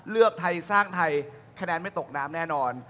เลือกไทยสร้างไทยคะแนนไม่ตกน้ำแน่นอน